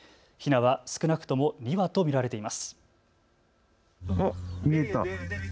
ヒナは少なくとも２羽と見られています。